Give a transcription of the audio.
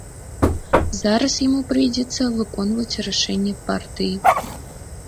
Зараз яму прыйдзецца выконваць рашэнне партыі.